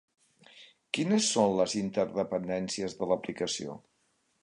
Quines són les interdependències de l'aplicació?